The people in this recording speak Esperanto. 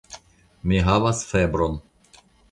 Mi havas febron.